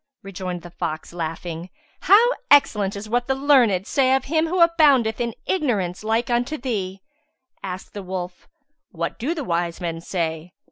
Rejoined the fox, laughing, "How excellent is what the learned say of him who aboundeth in ignorance like unto thee!" Asked the wolf, "What do the wise men say?"